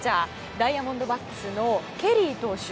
ダイヤモンドバックスのケリー投手。